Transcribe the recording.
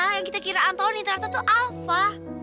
yang kita kira antoni ternyata tuh alva